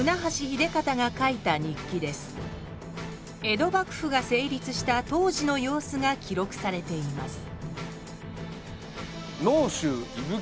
江戸幕府が成立した当時の様子が記録されています